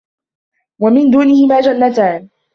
وَمِن دونِهِما جَنَّتانِ